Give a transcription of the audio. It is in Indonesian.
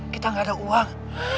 kita gak ada uang